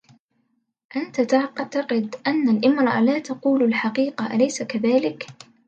انت تعتقد, ان المرأة لا تقول الحقيقة أليس كذلك